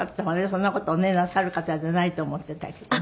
そんな事をねなさる方じゃないと思っていたけど。